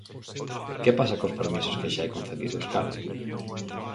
Que pasa cos permisos que xa hai concedidos, Carmen?